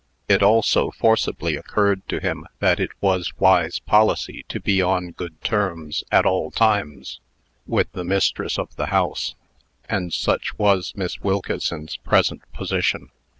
It also forcibly occurred to him that it was wise policy to be on good terms, at all times, with the mistress of the house; and such was Miss Wilkeson's present position.